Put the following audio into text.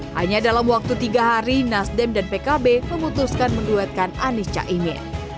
hanya dalam waktu tiga hari nasdem dan pkb memutuskan menduetkan anies caimin